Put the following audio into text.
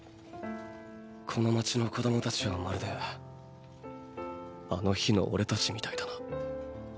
この街の子供たちはまるであの日のオレたちみたいだな。